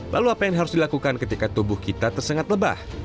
lalu apa yang harus dilakukan ketika tubuh kita tersengat lebah